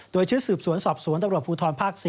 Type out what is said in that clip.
โดยชุดสืบสวนสอบสวนตำรวจภูทรภาค๔